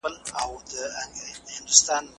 د ميرويس خان نيکه ارمانونه څنګه پوره سول؟